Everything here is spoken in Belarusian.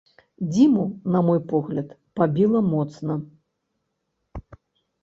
Дзіму, на мой погляд, пабіла моцна.